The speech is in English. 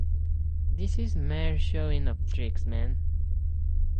This is mere showing of tricks, man!